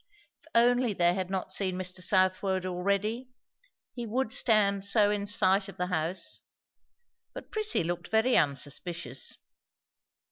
If only they had not seen Mr. Southwode already! he would stand so in sight of the house. But Prissy looked very unsuspicious.